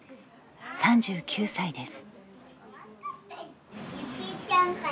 ３９歳です。